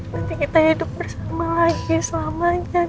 nanti kita hidup bersama lagi selamanya